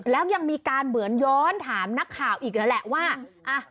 แล้วยังมีการเหมือนย้อนถามนักข่าวอีกนั่นแหละว่า